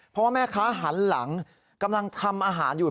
เพราะว่าแม่ค้าหันหลังกำลังทำอาหารอยู่